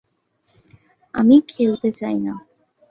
আমি খেলতে চাইনা।